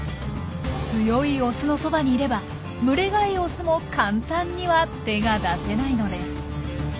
強いオスのそばにいれば群れ外オスも簡単には手が出せないのです。